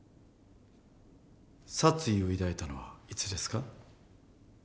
殺意を抱いたのはいつですか？